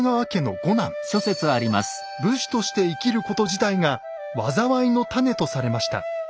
武士として生きること自体が災いの種とされました。